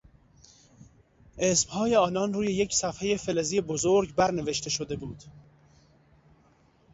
اسمهای آنان روی یک صفحهی فلزی بزرگ برنوشته شده بود.